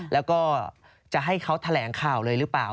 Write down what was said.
แล้วก็จะให้เขาแถลงข่าวเลยหรือเปล่า